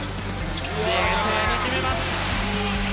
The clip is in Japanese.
冷静に決めます。